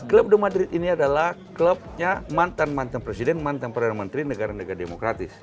club de madrid ini adalah clubnya mantan mantan presiden mantan perdana menteri negara negara demokratis